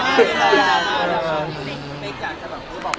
คิดลงต้อนรักษ์นะครับ